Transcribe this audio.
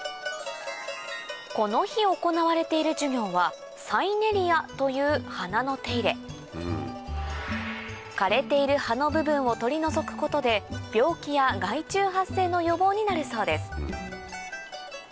この日行われている授業は枯れている葉の部分を取り除くことで病気や害虫発生の予防になるそうです